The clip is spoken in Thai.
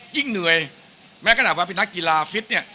ยิ่งเหนื่อยแม้ขนาดว่าเป็นนักกีฬาฟิตเนี่ย